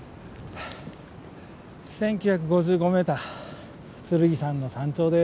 １，９５５ｍ剣山の山頂です。